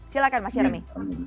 silakan mas jeremy